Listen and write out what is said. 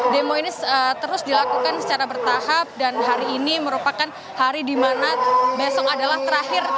demo ini terus dilakukan secara bertahap dan hari ini merupakan hari di mana besok adalah terakhir